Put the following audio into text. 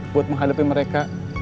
buat menghadapi mereka